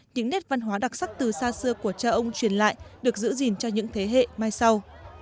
những nét văn hóa đặc sắc từ xa xưa của cha ông truyền lại được giữ gìn cho những thế hệ mai sau